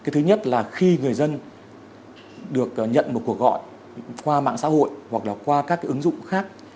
thứ nhất là khi người dân được nhận một cuộc gọi qua mạng xã hội hoặc là qua các ứng dụng khác